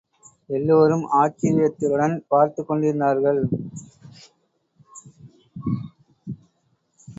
எல்லோரும் ஆச்சரியத்துடன் பார்த்துக் கொண்டிருந்தார்கள்.